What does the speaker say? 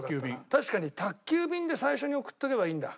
確かに宅配便で最初に送っておけばいいんだ。